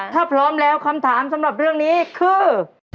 ถ้าพร้อมแล้วคำถามสำหรับเรื่องนี้คือ